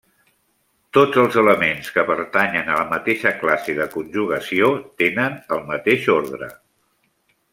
Tots els elements que pertanyen a la mateixa classe de conjugació tenen el mateix ordre.